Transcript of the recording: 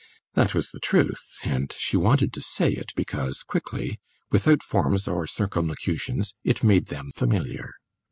That was the truth, and she wanted to say it because, quickly, without forms or circumlocutions, it made them familiar.